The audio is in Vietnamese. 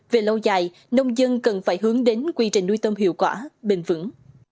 về lâu dài nông dân cần phải hướng đến quy trình nuôi tôm hiệu quả bền vững